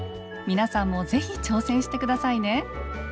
皆さんもぜひ挑戦してくださいね。